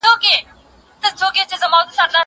کېدای سي فکر ستونزي ولري.